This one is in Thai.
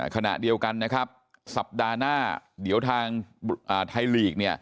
ขณะเดียวกันนะครับสัปดาห์หน้าเดี๋ยวทางไทยลีก